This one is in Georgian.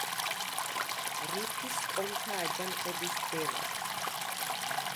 რიფის ტომთა აჯანყების ბელადი.